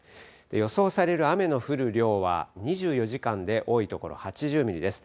予想される雨の降る量は２４時間で多い所８０ミリです。